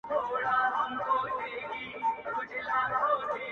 په شړپ بارانه رنځ دي ډېر سو ـخدای دي ښه که راته ـ